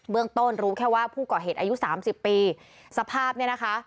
เรื่องต้นรู้แค่ว่าผู้ก่อเหตุอายุสามสิบปีสภาพเนี่ยนะคะ